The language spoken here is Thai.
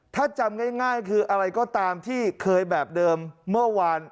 ถ้าจำง่ายคืออะไรก็ตามที่เคยแบบเดิมเมื่อวาน